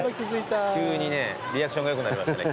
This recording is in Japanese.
急にねリアクションがよくなりましたね。